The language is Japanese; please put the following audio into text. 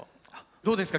どうですか？